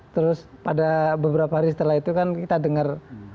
terus pada beberapa hari setelah itu kan kita dengar